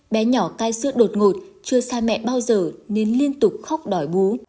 bé nhỏ cai sưa đột ngột chưa xa mẹ bao giờ nên liên tục khóc đòi bú